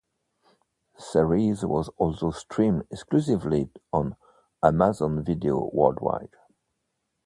The series was also streamed exclusively on Amazon Video worldwide.